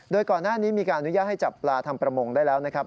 โดยก่อนหน้านี้มีการอนุญาตให้จับปลาทำประมงได้แล้วนะครับ